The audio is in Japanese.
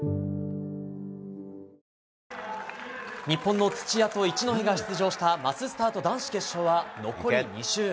日本の土屋と一戸が出場したマススタート男子決勝は残り２周。